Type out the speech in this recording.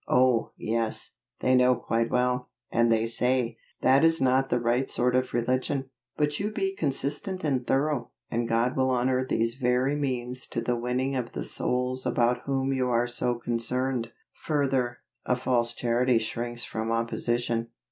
Oh, yes, they know quite well, and they say, "That is not the right sort of religion;" but you be consistent and thorough, and God will honor these very means to the winning of the souls about whom you are so concerned. Further, a false Charity shrinks from opposition.